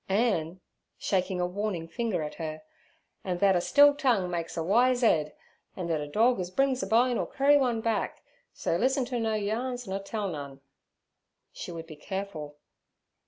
'An" shaking a warning finger at her, 'an' thet a still tongue makes a wise 'ead, an' thet a dorg ez brings a bone 'll kerry one back, so lis'en to no yarns nur tell none.' She would be careful.